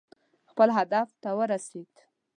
خپل هدف ته ورسېد.